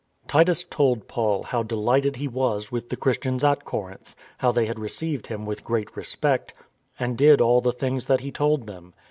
Titus told Paul how delighted he was with the Christians at Corinth, how they had received him with great respect, and did all the things that he told them.